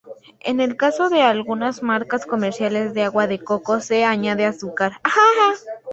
En el caso de algunas marcas comerciales de agua de coco se añade azúcar.